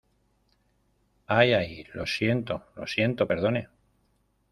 ¡ ay, ay! lo siento , lo siento. perdone .